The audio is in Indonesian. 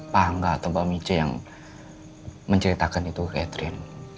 pak angga atau mbak mice yang menceritakan itu ke catherine